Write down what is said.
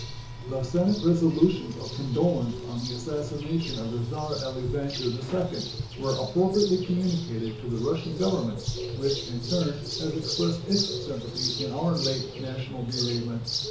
The Senate resolutions of condolence on the assassination of the Czar Alexander II were appropriately communicated to the Russian Government, which in turn has expressed its sympathy in our late national bereavement.